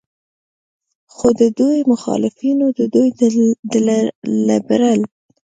خو د دوي مخالفينو د دوي د لبرل